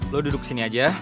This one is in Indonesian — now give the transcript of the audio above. lo duduk disini aja